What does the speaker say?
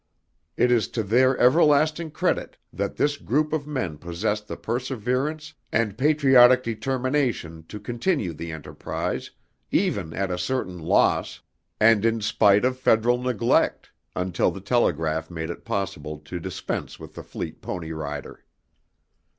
It is to their everlasting credit that this group of men possessed the perseverance and patriotic determination to continue the enterprise, even at a certain loss, and in spite of Federal neglect, until the telegraph made it possible to dispense with the fleet pony rider.